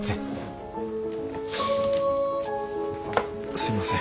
すいません。